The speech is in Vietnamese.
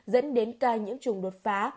dẫn đến ca những chủng đột phá